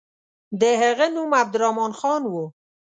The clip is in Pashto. د هغه نوم عبدالرحمن خان وو.